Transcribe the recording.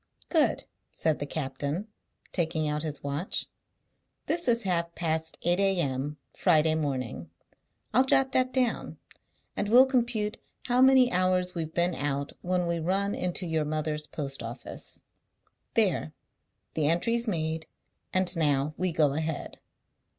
"Good," said the captain, taking out his watch. "This is half past eight a.m., Friday morning. I'll jot that down, and we'll compute how many hours we've been out when we run into your mother's post office. There! The entry's made, and now we go ahead."